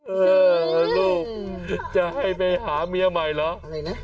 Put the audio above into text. เออแล้วลูกจะให้ไปหาเมียใหม่เหรอ